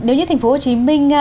nếu như thành phố hồ chí minh